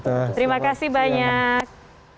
terima kasih banyak